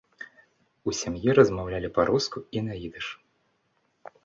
У сям'і размаўлялі па-руску і на ідыш.